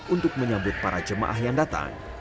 untuk menyambut para jemaah yang datang